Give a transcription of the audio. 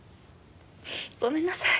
ごめんなさい。